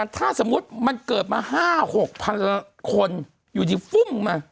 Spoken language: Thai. ถ้าสมมุติมันเกิดมา๕๖พันคนอยู่ดีฟุ่มมา